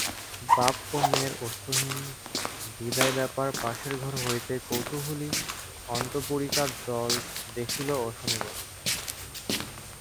বাপ ও মেয়ের অশ্রুহীন বিদায়ব্যাপার পাশের ঘর হইতে কৌতূহলী অন্তঃপুরিকার দল দেখিল ও শুনিল।